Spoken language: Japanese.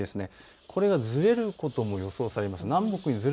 これがずれることも予想されます。